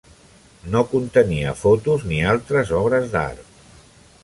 No contenia fotos ni altres obres d'art.